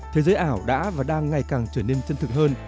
thế giới ảo đã và đang ngày càng trở nên chân thực hơn